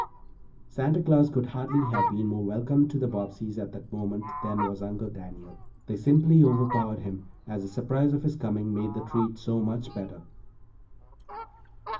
Santa Claus could hardly have been more welcome to the Bobbseys at that moment than was Uncle Daniel. They simply overpowered him, as the surprise of his coming made the treat so much better.